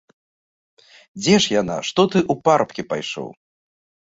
Дзе ж яна, што ты ў парабкі пайшоў?